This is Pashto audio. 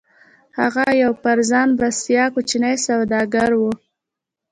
هغه يو پر ځان بسيا کوچنی سوداګر و.